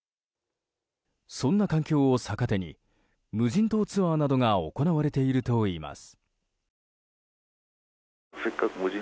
そんな環境を逆手に無人島ツアーなどが行われているといいます。